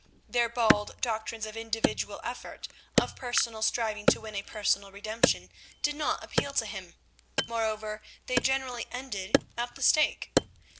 Their bald doctrines of individual effort, of personal striving to win a personal redemption, did not appeal to him; moreover, they generally ended at the stake.